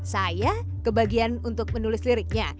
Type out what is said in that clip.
saya kebagian untuk menulis liriknya